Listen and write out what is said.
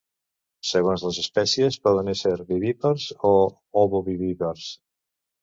Segons les espècies, poden ésser vivípars o ovovivípars.